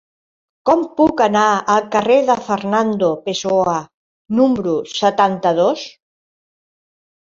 Com puc anar al carrer de Fernando Pessoa número setanta-dos?